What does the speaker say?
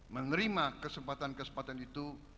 menerima kesempatan kesempatan itu